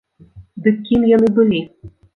Дык кім яны былі?